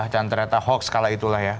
dan ternyata hoax kalah itulah ya